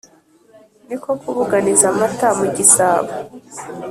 niko kubuganiza amata mu gisabo,